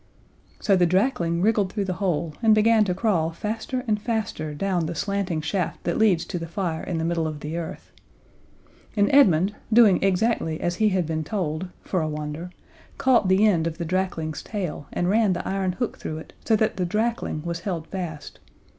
So the drakling wriggled through the hole, and began to crawl faster and faster down the slanting shaft that leads to the fire in the middle of the earth. And Edmund, doing exactly as he had been told, for a wonder, caught the end of the drakling's tail and ran the iron hook through it so that the drakling was held fast.